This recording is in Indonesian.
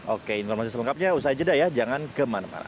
oke informasi lengkapnya usah aja dah ya jangan kemana mana